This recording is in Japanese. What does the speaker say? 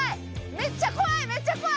めっちゃ怖いめっちゃ怖い！